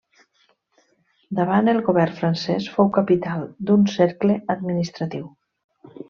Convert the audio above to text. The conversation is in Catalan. Durant el govern francès, fou capital d'un cercle administratiu.